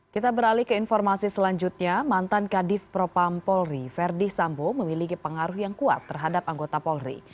kita beralih ke informasi selanjutnya mantan kadif propam polri verdi sambo memiliki pengaruh yang kuat terhadap anggota polri